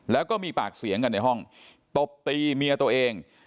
แล้วก็มีปากเสียงกันในห้องตบตีเมียตัวเอง